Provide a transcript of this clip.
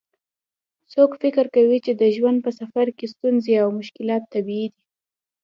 څوک فکر کوي چې د ژوند په سفر کې ستونزې او مشکلات طبیعي دي